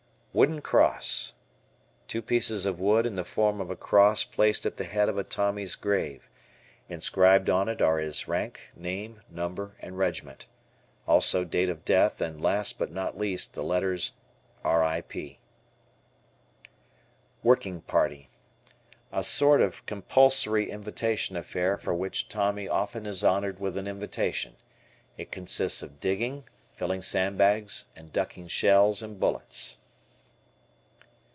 Wooden Cross. Two pieces of wood in the form of a cross placed at the head of a Tommy's grave. Inscribed on it are his rank, name, number, and regiment. Also date of death and last but not least, the letters R. I. P. Working Party. A sort of compulsory invitation affair for which Tommy often is honored with an invitation. It consists of digging, filling sandbags, and ducking shells and bullets.